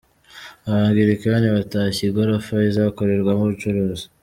Abangirikani batashye igorofa izakorerwamo ubucuruzi